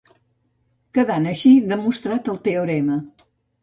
Quedant així demostrat el teorema.